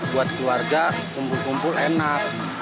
buat keluarga kumpul kumpul enak